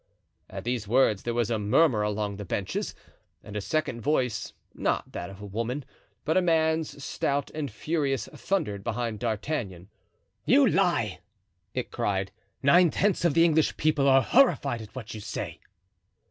At these words there was a murmur along the benches, and a second voice, not that of a woman, but a man's, stout and furious, thundered behind D'Artagnan. "You lie!" it cried. "Nine tenths of the English people are horrified at what you say."